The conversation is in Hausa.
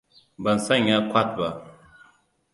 Ban sanya kwat ba.